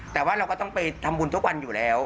แต่ว่าเราก็ต้องไปทำบุญทุกวันอยู่แล้ว